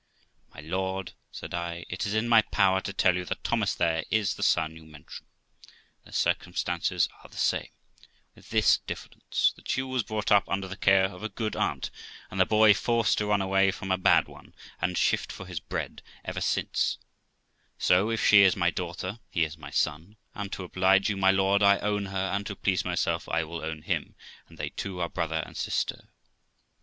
'My lord', said I, 'it is in my power to tell you that Thomas there is the son you mention ; their circumstances are the same, with this difference, that she was brought up under the care of a good aunt, and the boy forced to run away from a bad one, and shift for his bread ever since; so, if she is my daughter, he is my son, and to oblige you, my lord, I own her, and to please myself I will own him, and they two are brother and sister.'